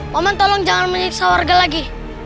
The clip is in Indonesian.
momen tolong jangan menyiksa warga lagi